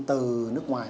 từ nước ngoài